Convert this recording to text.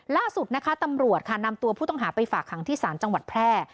ล่าสุดนะคะตำรวจค่ะนำตัวผู้ต้องหาไปฝากขังที่ศาลจังหวัดแพร่